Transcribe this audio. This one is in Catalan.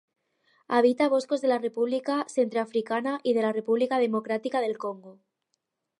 Habita boscos de la República Centreafricana i de la República Democràtica del Congo.